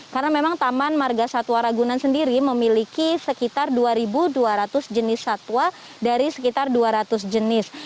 karena memang taman marga satwa ragunan sendiri memiliki sekitar dua dua ratus jenis satwa dari sekitar dua ratus jenis